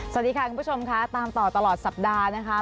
สวัสดีค่ะคุณผู้ชมค่ะตามต่อตลอดสัปดาห์นะคะ